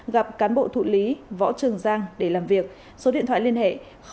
gặp cán bộ thụ lý võ trường giang để làm việc số điện thoại liên hệ chín trăm linh chín chín ba trăm ba mươi hai